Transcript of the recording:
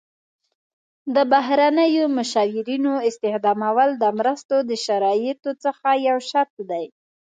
د بهرنیو مشاورینو استخدامول د مرستو د شرایطو څخه یو شرط دی.